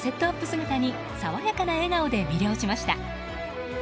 姿に爽やかな笑顔で魅了しました。